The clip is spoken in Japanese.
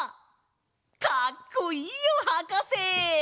かっこいいよはかせ！